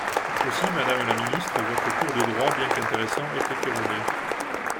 Aussi, madame la ministre, votre cours de droit, bien qu’intéressant, était erroné.